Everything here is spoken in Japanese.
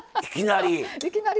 いきなり。